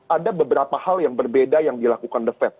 ada beberapa hal yang berbeda yang dilakukan the fed